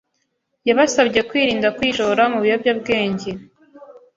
yabasabye kwirinda kwishora mu biyobyabwenge,